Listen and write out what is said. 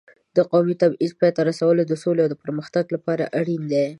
د قومي تبعیض پای ته رسول د سولې او پرمختګ لپاره اړین دي.